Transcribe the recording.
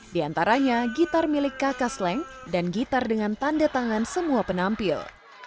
di antaranya gitar milik kakak sleng dan gitar dengan tanda tangan semua penampil